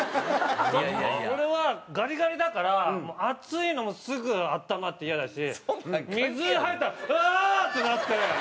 俺はガリガリだから熱いのもすぐ温まってイヤだし水入ったらうわー！ってなって。